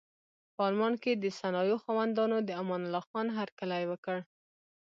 په المان کې د صنایعو خاوندانو د امان الله خان هرکلی وکړ.